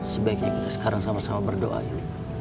sebaiknya kita sekarang sama sama berdoa yuk